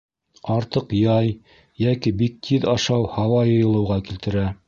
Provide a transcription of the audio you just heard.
Артыҡ яй йәки бик тиҙ ашау һауа йыйылыуға килтерә.